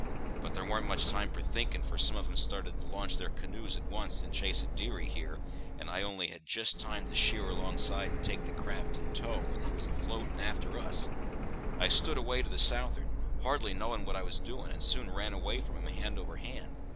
But there warn't much time for thinkin', for some of 'em started to launch their canoes at once't in chase of dearie here, and I only had jist time to sheer alongside and take the craft in tow, when they was afloat and a'ter us. I stood away to the south'ard, hardly knowing what I was doin', and soon ran away from 'em hand over hand.